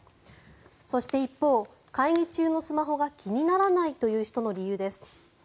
そして一方、会議中のスマホが気にならないという人の理由です。